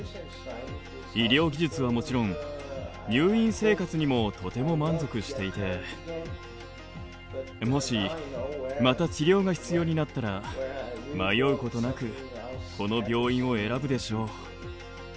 医療技術はもちろん入院生活にもとても満足していてもしまた治療が必要になったら迷うことなくこの病院を選ぶでしょう。